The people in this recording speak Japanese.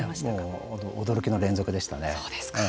もう驚きの連続でしたね。